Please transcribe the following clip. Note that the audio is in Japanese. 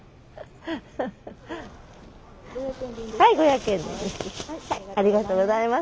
はい５００円です。